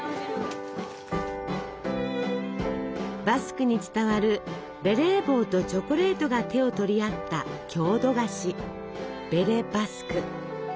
バスクに伝わるベレー帽とチョコレートが手を取り合った郷土菓子ベレ・バスク。